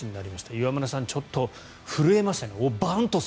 岩村さん、ちょっと震えましたね